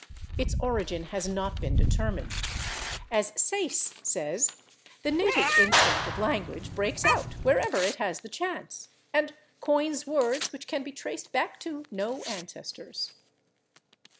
Its origin has not been determined. As Sayce says, "the native instinct of language breaks out wherever it has the chance, and coins words which can be traced back to no ancestors."